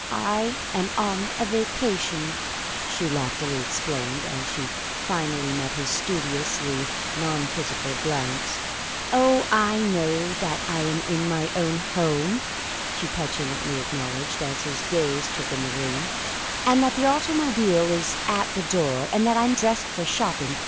"I am on a vacation," she loftily explained, as she finally met his studiously non quizzical glance. "Oh, I know that I am in my own home!" she petulantly acknowledged, as his gaze took in the room; "and that the automobile is at the door; and that I'm dressed for shopping.